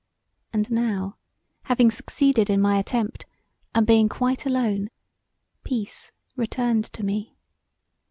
And now having succeeded in my attempt, and being quite alone peace returned to me.